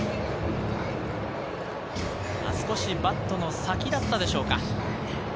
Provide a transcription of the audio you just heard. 少しバットの先だったでしょうか。